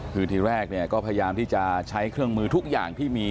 คือทีแรกเนี่ยก็พยายามที่จะใช้เครื่องมือทุกอย่างที่มี